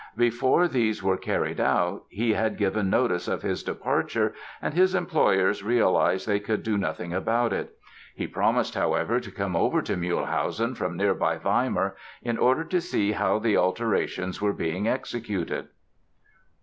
Before these were carried out he had given notice of his departure and his employers realized they could do nothing about it. He promised, however, to come over to Mühlhausen from nearby Weimar in order to see how the alterations were being executed.